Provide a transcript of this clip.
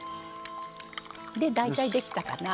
大体、できたかな。